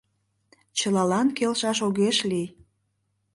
Чылалан келшаш огеш лий.